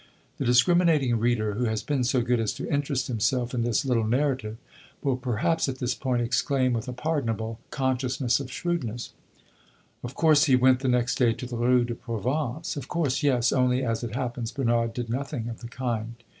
The discriminating reader who has been so good as to interest himself in this little narrative will perhaps at this point exclaim with a pardonable consciousness of shrewdness: "Of course he went the next day to the Rue de Provence!" Of course, yes; only as it happens Bernard did nothing of the kind.